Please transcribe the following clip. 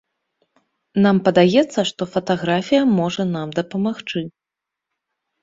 Нам падаецца, што фатаграфія можа нам дапамагчы.